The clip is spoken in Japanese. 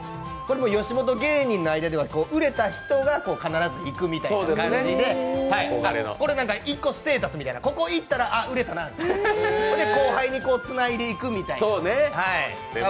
吉本芸人の間では売れた人が必ず行くみたいな感じで一個ステータスみたいなここ行ったら売れたな、それで後輩につないでいくみたいな。